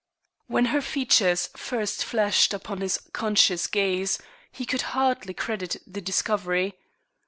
When her features first flashed upon his conscious gaze he could hardly credit the discovery.